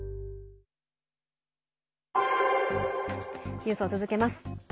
ニュースを続けます。